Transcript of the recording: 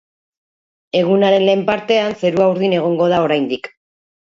Egunaren lehen partean zerua urdin egongo da oraindik.